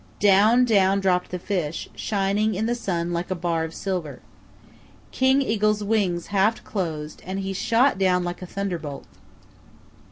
Down, down, dropped the fish, shining in the sun like a bar of silver. King Eagle's wings half closed and he shot down like a thunderbolt.